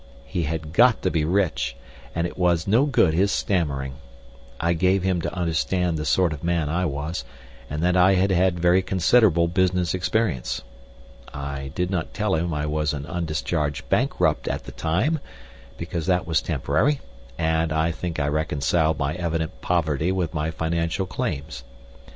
He had got to be rich, and it was no good his stammering. I gave him to understand the sort of man I was, and that I had had very considerable business experience. I did not tell him I was an undischarged bankrupt at the time, because that was temporary, but I think I reconciled my evident poverty with my financial claims.